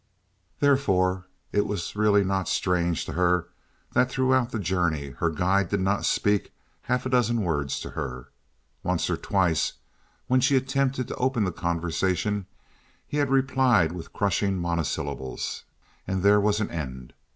Therefore, it was really not strange to her that throughout the journey her guide did not speak half a dozen words to her. Once or twice when she attempted to open the conversation he had replied with crushing monosyllables, and there was an end.